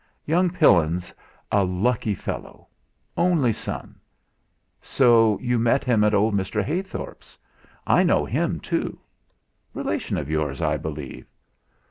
Young Pillin's a lucky fellow only son. So you met him at old Mr. Heythorp's. I know him too relation of yours, I believe."